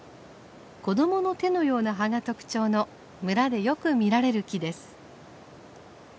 子供の手のような葉が特徴の村でよく見られる木です。